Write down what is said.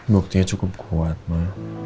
buktinya cukup kuat ma